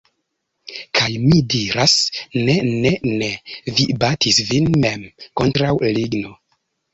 Kaj mi diras: "Ne ne ne! Vi batis vin mem! Kontraŭ ligno."